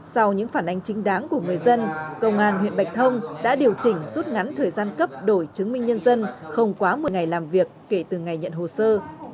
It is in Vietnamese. sau những phản ánh chính đáng của người dân công an huyện bạch thông đã điều chỉnh rút ngắn thời gian cấp đổi chứng minh nhân dân không quá một mươi ngày làm việc kể từ ngày nhận hồ sơ